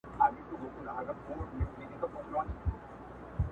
نه توری او نه خو هم زه ورکزی یم